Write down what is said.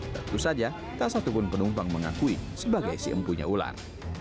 tentu saja tak satupun penumpang mengakui sebagai si empunya ular